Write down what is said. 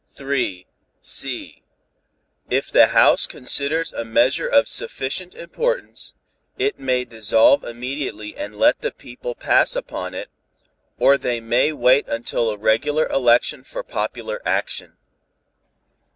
(c) If the House considers a measure of sufficient importance, it may dissolve immediately and let the people pass upon it, or they may wait until a regular election for popular action.